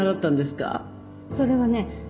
それはね